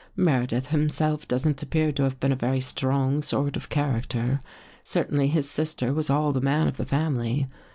Meredith himself doesn't appear to have been a very strong sort of character. Certainly his sister was all the man of the family.